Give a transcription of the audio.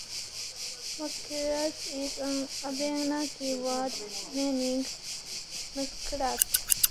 Musquash is an Abenaki word meaning "muskrat".